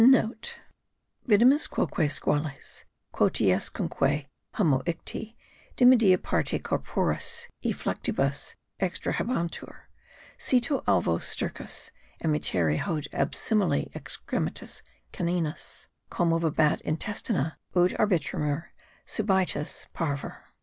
*(* Vidimus quoque squales, quotiescunque, hamo icti, dimidia parte corporis e fluctibus extrahebantur, cito alvo stercus emittere haud absimile excrementis caninis. Commovebat intestina (ut arbitramur) subitus pavor.